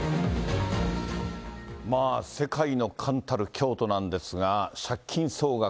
まあ世界の冠たる京都なんですが、借金総額